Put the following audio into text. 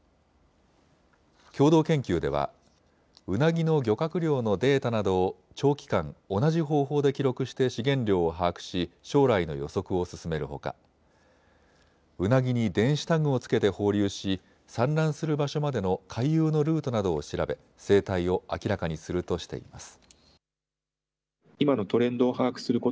共同研究ではウナギの漁獲量のデータなどを長期間、同じ方法で記録して資源量を把握し将来の予測を進めるほかウナギに電子タグをつけて放流し産卵する場所までの回遊のルートなどを調べ生態を明らかにするとしています。